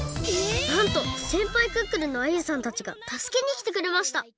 なんとせんぱいクックルンのアユさんたちがたすけにきてくれました